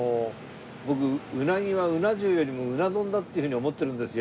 僕うなぎはうな重よりもうな丼だっていうふうに思ってるんですよ。